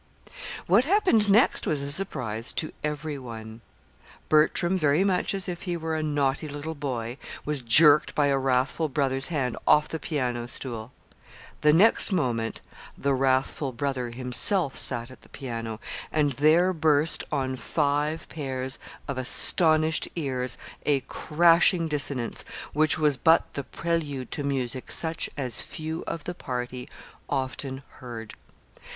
What happened next was a surprise to every one. Bertram, very much as if he were a naughty little boy, was jerked by a wrathful brother's hand off the piano stool. The next moment the wrathful brother himself sat at the piano, and there burst on five pairs of astonished ears a crashing dissonance which was but the prelude to music such as few of the party often heard.